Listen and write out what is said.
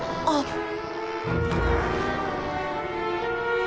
あっ！